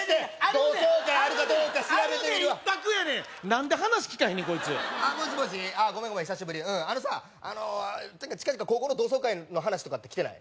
同窓会あるかどうか調べてみるわ何で話聞かへんねんコイツあっもしもしあゴメンゴメン久しぶりうんあのさあの近々高校の同窓会の話とかって来てない？